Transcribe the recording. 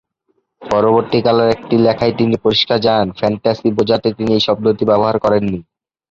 পরবর্তীকালের একটি লেখায় তিনি পরিষ্কার জানান "ফ্যান্টাসি" বোঝাতে তিনি এই শব্দটি ব্যবহার করেননি।